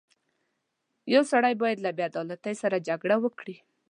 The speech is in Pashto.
• یو سړی باید له بېعدالتۍ سره جګړه وکړي.